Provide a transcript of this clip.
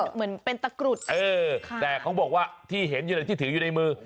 เหมือนเป็นตะกรุดแต่เขาบอกว่าที่เห็นอยู่เลยที่ถืออยู่ในมือ